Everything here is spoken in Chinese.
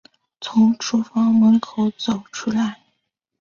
从厨房门口走出来